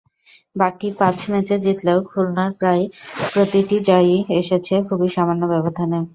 বাকি পাঁচ ম্যাচে জিতলেও খুলনার প্রায় প্রতিটা জয়ই এসেছে খুবই সামান্য ব্যবধানে।